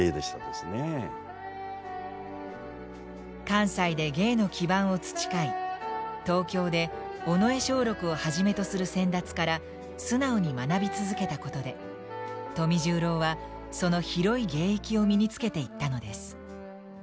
関西で芸の基盤を培い東京で尾上松緑をはじめとする先達から素直に学び続けたことで富十郎はその広い芸域を身につけていったのです。